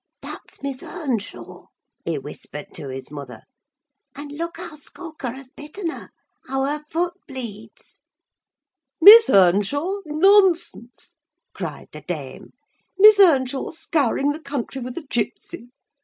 'That's Miss Earnshaw!' he whispered to his mother, 'and look how Skulker has bitten her—how her foot bleeds!' "'Miss Earnshaw? Nonsense!' cried the dame; 'Miss Earnshaw scouring the country with a gipsy!